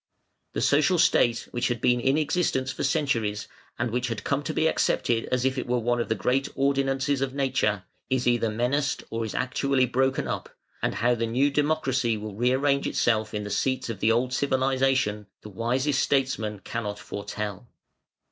The social state which had been in existence for centuries, and which had come to be accepted as if it were one of the great ordinances of nature, is either menaced or is actually broken up, and how the new democracy will rearrange itself in the seats of the old civilisation the wisest statesman cannot foretell.